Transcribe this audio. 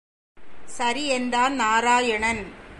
சரி என்றான் நாராயணன்.